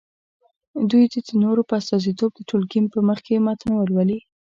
دوی دې د نورو په استازیتوب د ټولګي په مخکې متن ولولي.